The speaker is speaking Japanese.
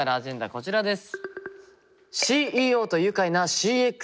こちらです。